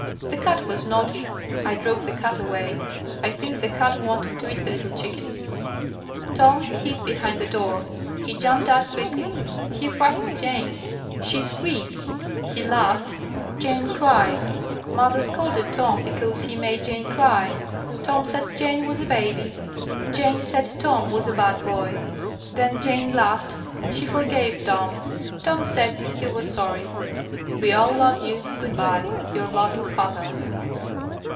The cat was naughty. I drove the cat away. I think the cat wanted to eat the little chickens. "Tom hid behind the door. He jumped out quickly. He frightened Jane. She screamed. He laughed. Jane cried. Mother scolded Tom because he made Jane cry. Tom said Jane was a baby. Jane said Tom was a bad boy. Then Jane laughed. She forgave Tom. Tom said he was sorry. "We all love you. "Good by. "Your loving "FATHER."